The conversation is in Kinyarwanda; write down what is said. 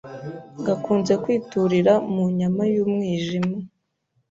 gakunze kwiturira mu nyama y’umwijima